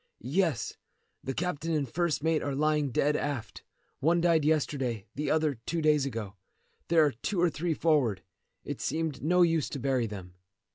"Yes; the captain and first mate are lying dead aft. One died yesterday, the other two days ago. There are two or three forward. It seemed no use to bury them."